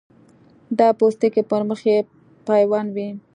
دا پوستکی پر مخ یې پیوند وي.